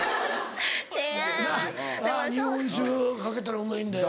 「日本酒かけたらうまいんだよ」。